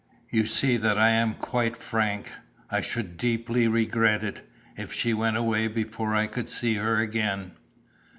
You see that I am quite frank. I should deeply regret it, if she went away before I could see her again.